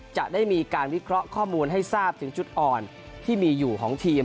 จะได้มีการวิเคราะห์ข้อมูลให้ทราบถึงจุดอ่อนที่มีอยู่ของทีม